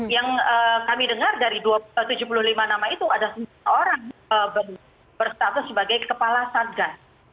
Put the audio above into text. yang kami dengar dari tujuh puluh lima nama itu ada sembilan orang berstatus sebagai kepala satgas